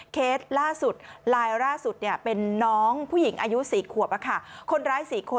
เคสล่าสุดลายล่าสุดเนี่ยเป็นน้องผู้หญิงอายุ๔ควบค่ะ